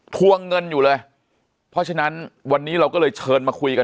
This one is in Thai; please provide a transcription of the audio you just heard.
ทวงเงินอยู่เลยเพราะฉะนั้นวันนี้เราก็เลยเชิญมาคุยกัน